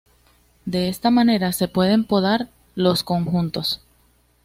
De esta manera se pueden podar los conjuntos.